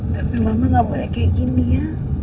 tapi mama gak boleh kayak gini ya